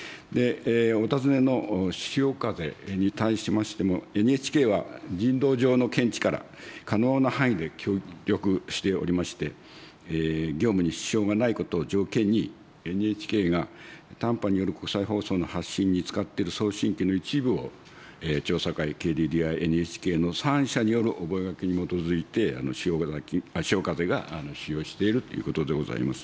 お尋ねのしおかぜに対しましても、ＮＨＫは人道上の見地から、可能な範囲で協力しておりまして、業務に支障がないことを条件に、ＮＨＫが短波による国際放送の発信に使っている送信機の一部を調査会、ＫＤＤＩ、ＮＨＫの３者による覚書に基づいて、しおかぜが使用しているということでございます。